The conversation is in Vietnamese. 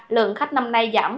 lượng khách năm nay giảm